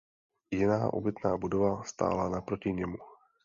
Jiná obytná budova stála naproti němu.